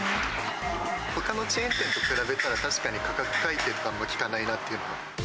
ほかのチェーン店と比べたら、確かに価格改定って聞かないなっていうのは。